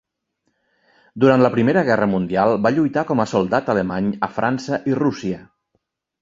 Durant la Primera Guerra Mundial va lluitar com a soldat alemany a França i Rússia.